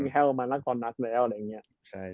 เท่ามันได้เข้าออกมารหัสออกมาเรียกนักแล้ว